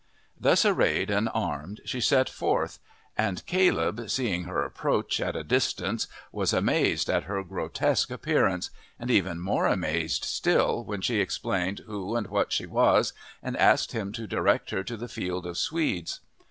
Thus arrayed and armed she set forth, and Caleb seeing her approach at a distance was amazed at her grotesque appearance, and even more amazed still when she explained who and what she was and asked him to direct her to the field of swedes.